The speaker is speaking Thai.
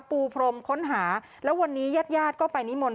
ปูพรมค้นหาและวันนี้แยดยาธิ์ก็ไปนิมนธ์